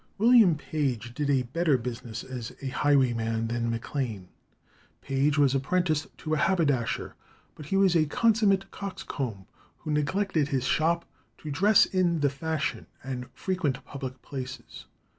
William Page did a better business as a highwayman than Maclane. Page was apprenticed to a haberdasher, but he was a consummate coxcomb, who neglected his shop to dress in the fashion and frequent public places.